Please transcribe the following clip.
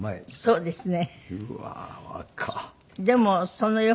そうですね。